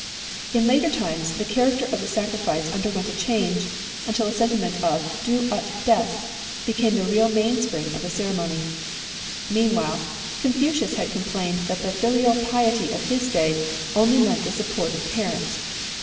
In later times, the chara>cter of the sacrifice under went a change, until a sentiment oi do tU des became the real mainspring of the ceremony. Meanwhile, Cionfucius had complained that the filial piety of his day only meant the support of parents.